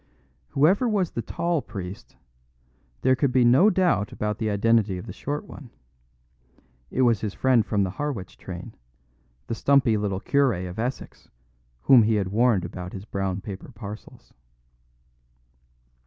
Whoever was the tall priest, there could be no doubt about the identity of the short one. It was his friend of the Harwich train, the stumpy little cure of Essex whom he had warned about his brown paper parcels.